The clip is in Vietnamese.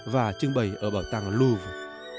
và trưng bày ở bảo tàng louvre